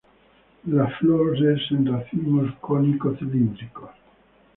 Las flors en racimos cónico-cilíndricos.